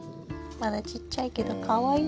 まだちっちゃいけどかわいい。